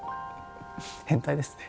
変態ですね。